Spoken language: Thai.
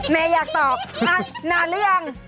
แม่อยากตอบนานหรือยัง